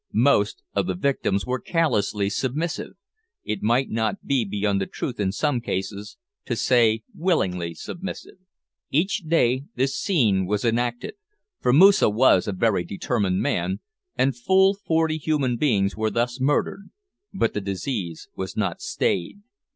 Most of the victims were callously submissive; it might not be beyond the truth, in some cases, to say willingly submissive. Each day this scene was enacted, for Moosa was a very determined man, and full forty human beings were thus murdered, but the disease was not stayed.